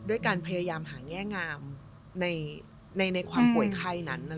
ด้วยการพยายามหาง่ายงามในความป่วยไข่นั้น